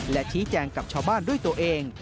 และชี้แจงกับชาวบ้านด้วยตัวเอง